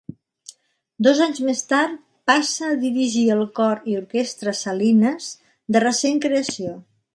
Dos anys més tard passa a dirigir el Cor i Orquestra Salines, de recent creació.